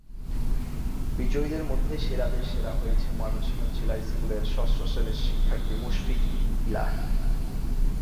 বিজয়ীদের মধ্যে সেরাদের সেরা হয়েছে ময়মনসিংহ জিলা স্কুলের ষষ্ঠ শ্রেণির শিক্ষার্থী মুশফিক-ই-ইলাহী।